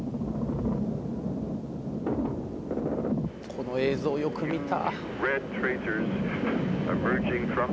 この映像よく見た。